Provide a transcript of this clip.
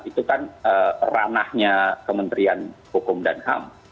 itu kan ranahnya kementerian hukum dan ham